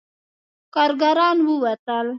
کارګران ووتل.